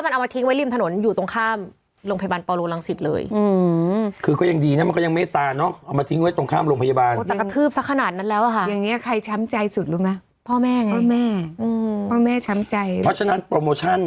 ตอนนี้ได้คืนมั้ยน่าจะได้คืนแล้วแหละ